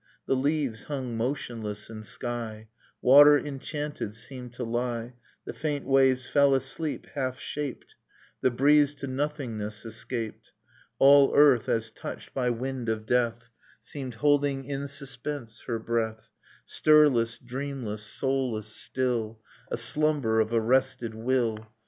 The leaves hung motionless in sky; Water enchanted seemed to lie; The faint waves fell asleep, half shaped; The breeze to nothingness escaped. All earth, as touched by wind of death. Seemed holding in suspense her breath, Stirless, dreamless, soulless, still, A slumber of arrested will.